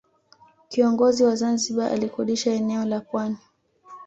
Kiongozi wa Zanzibar alikodisha eneo la pwani